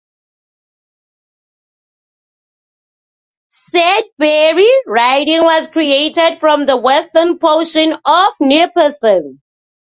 Sudbury riding was created from the western portion of Nipissing.